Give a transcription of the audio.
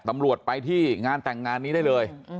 ตำรวจไปที่งานแต่งงานนี้ได้เลย